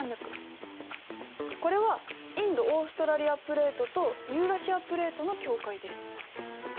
これはインド・オーストラリアプレートとユーラシアプレートの境界です。